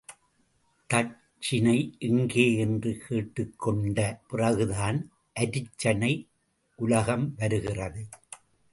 தட்சிணை எங்கே என்று கேட்டுக்கொண்ட பிறகுதான் அருச்சனை உலகம் வருகிறது.